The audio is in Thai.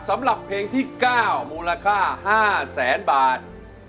สำหรับเพลงที่๙มูลค่า๕แสนบาท